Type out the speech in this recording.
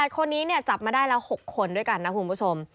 คนนี้จับมาได้แล้ว๖คนด้วยกันนะคุณผู้ชม